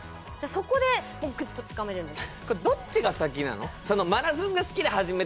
そこでもうグッとつかめるんです